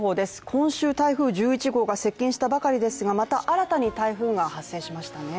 今週台風１１号が接近したばかりですがまた新たに台風が発生しましたね。